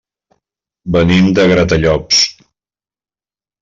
Venim de Gratallops.